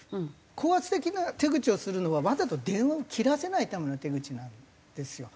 高圧的な手口をするのはわざと電話を切らせないための手口なんですよ。